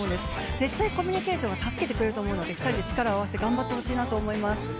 絶対にコミュニケーションは助けてくれると思うので２人で力を合わせて頑張ってほしいなと思います。